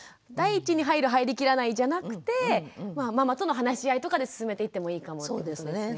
第一に入る入りきらないじゃなくてママとの話し合いとかで進めていってもいいかもってことですね。